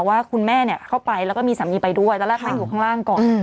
ว่าคุณแม่เข้าไปแล้วก็มีสามีไปด้วยตอนแรกนั่งอยู่ข้างล่างก่อน